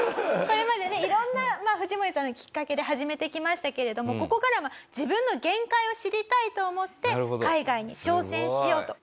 これまでね色んな藤森さんがきっかけで始めてきましたけれどもここからは自分の限界を知りたいと思って海外に挑戦しようと。